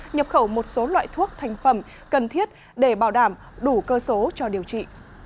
nhập khẩu một số loại thuốc thành phẩm cần thiết để bảo đảm đủ cơ số cho điều trị